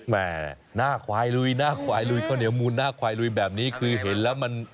แม่หน้าควายลุยหน้าควายลุยข้าวเหนียวมูลหน้าควายลุยแบบนี้คือเห็นแล้วมัน